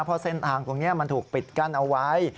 เพราะเส้นทางตรงนี้มันถูกปิดกั้นเอาไว้